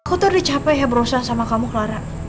aku terlalu capek ya berusaha sama kamu clara